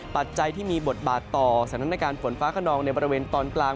ปัจจัยที่มีบทบาทต่อสถานการณ์ฝนฟ้าขนองในบริเวณตอนกลาง